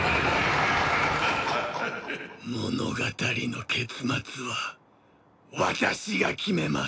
物語の結末は私が決めます！